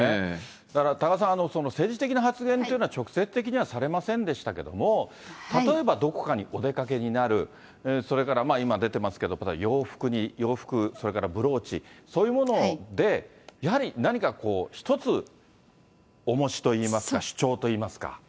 多賀さん、政治的な発言というのは、直接的にはされませんでしたけれども、例えばどこかにお出かけになる、それから今、出てますけども、洋服、それからブローチ、そういうもので、やはり何か、こう、一つ、おもしといいますか、主張といいますか。